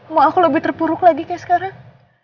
mau aku lebih terpuruk lagi kayak sekarang